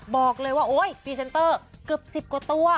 บอกเลยว่าโอ๊ยพรีเซนเตอร์เกือบ๑๐กว่าตัว